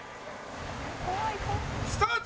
スタート！